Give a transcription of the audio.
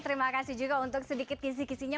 terima kasih juga untuk sedikit kisih kisihnya